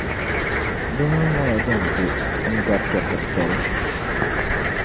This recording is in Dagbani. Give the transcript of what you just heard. Di mi nyɛla din be n-gari chεfuritali.